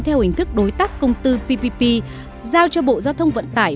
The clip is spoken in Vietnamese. theo hình thức đối tác công tư ppp giao cho bộ giao thông vận tải